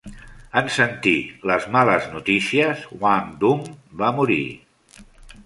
En sentir les males notícies, Wang Dun va morir.